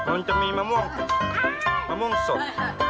มันจะมีมะม่วงมะม่วงสด